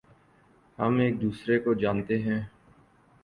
ہم ایک دوسرے کو جانتے ہیں